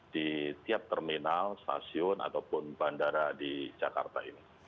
di tiap terminal stasiun ataupun bandara di jakarta ini